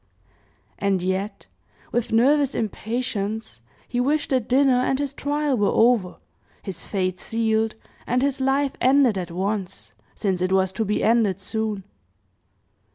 And yet, with nervous impatience, he wished the dinner and his trial were over, his fate sealed, and his life ended at once, since it was to be ended soon.